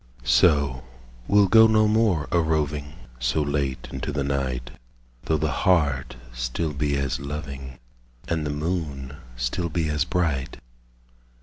5 So we'll go no more a roving So late into the night, Though the heart still be as loving, And the moon still be as bright.